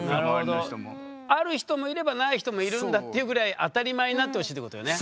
ある人もいればない人もいるんだっていうぐらい当たり前になってほしいってことよね？